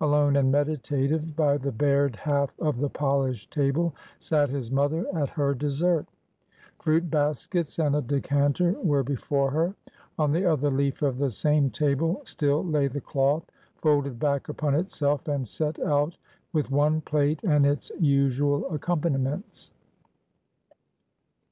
Alone and meditative, by the bared half of the polished table, sat his mother at her dessert; fruit baskets, and a decanter were before her. On the other leaf of the same table, still lay the cloth, folded back upon itself, and set out with one plate and its usual accompaniments.